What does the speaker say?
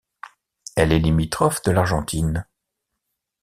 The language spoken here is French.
Elle est limitrophe de l'Argentine.